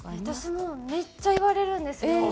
私もめっちゃ言われるんですよ。